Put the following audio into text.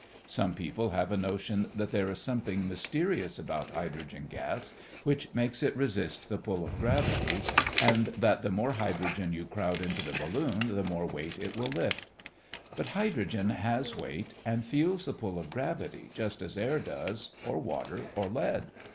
Some people have a notion that there is something mysterious about hydrogen gas which makes it resist the pull of gravity, and that the more hydrogen you crowd into the balloon the more weight it will lift. But hydrogen has weight and feels the pull of gravity just as air does, or water, or lead.